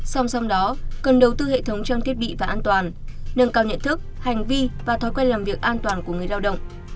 song song đó cần đầu tư hệ thống trang thiết bị và an toàn nâng cao nhận thức hành vi và thói quen làm việc an toàn của người lao động